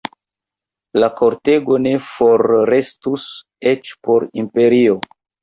La kortego ne forrestus, eĉ por imperio.